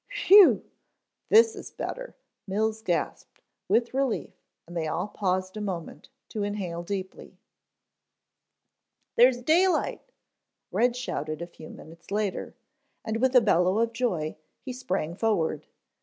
"Whew, this is better," Mills gasped, with relief, and they all paused a moment to inhale deeply. "There's daylight," Red shouted a few minutes later, and with a bellow of joy, he sprang forward.